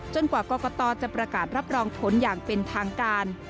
กว่ากรกตจะประกาศรับรองผลอย่างเป็นทางการ